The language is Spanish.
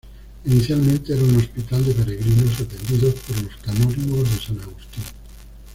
Inicialmente era un hospital de peregrinos atendido por los canónigos de San Agustín.